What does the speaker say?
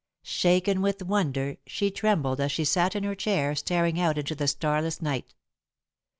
Shaken with wonder, she trembled as she sat in her chair, staring out into the starless night.